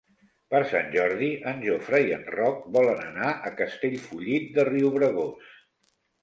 Per Sant Jordi en Jofre i en Roc volen anar a Castellfollit de Riubregós.